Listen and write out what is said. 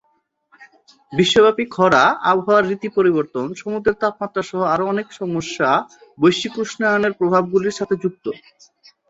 বিশ্বব্যাপী খরা, আবহাওয়ার রীতি পরিবর্তন, সমুদ্রের তাপমাত্রা সহ আরও অনেক সমস্যা বৈশ্বিক উষ্ণায়নের প্রভাবগুলির সাথে যুক্ত।